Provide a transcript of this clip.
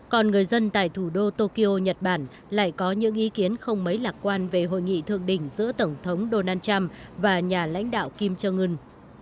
còn người dân tại thủ đô tokyo nhật bản lại có những ý kiến không mấy lạc quan về hội nghị thượng đỉnh giữa tổng thống donald trump và nhà lãnh đạo kim jong un